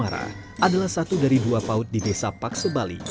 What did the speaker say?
paut giri kumara adalah satu dari dua paut di desa paksebali